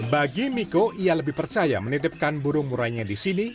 bagi miko ia lebih percaya menitipkan burung murainya di sini